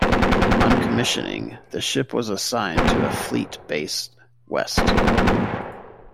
On commissioning, the ship was assigned to Fleet Base West.